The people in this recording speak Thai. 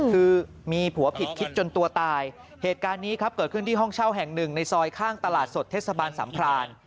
คือมีผัวผิดคิดจนตัวตายเหตุการณ์นี้ครับเกิดขึ้นที่ห้องเช่าแห่งหนึ่งในซอยข้างตลาดสดเทศบาลสัมพราน